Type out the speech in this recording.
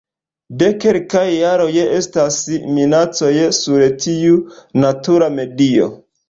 De kelkaj jaroj estas minacoj sur tiu natura medio.